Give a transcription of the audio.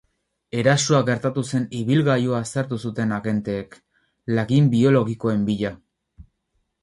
Erasoa gertatu zen ibilgailua aztertu zuten agenteek, lagin biologikoen bila.